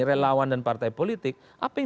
relawan dan partai politik apa yang